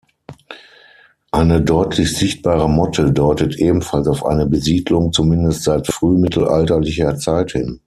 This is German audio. Eine deutlich sichtbare Motte deutet ebenfalls auf eine Besiedlung zumindest seit frühmittelalterlicher Zeit hin.